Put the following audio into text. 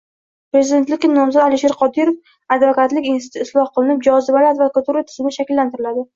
Prezidentlikka nomzod Alisher Qodirov: “Advokatlik instituti isloh qilinib, jozibali advokatura tizimi shakllantiriladi”